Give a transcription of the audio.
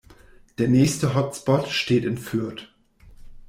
Der nächste Hotspot steht in Fürth.